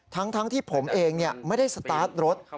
ทั้งที่ผมเองไม่ได้สตาร์ทรถ